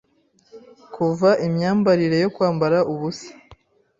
Kuva imyambarire yo kwambara ubusa